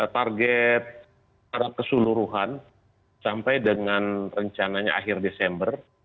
target para keseluruhan sampai dengan rencananya akhir desember